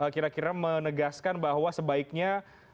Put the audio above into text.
kira kira menegaskan bahwa sebaiknya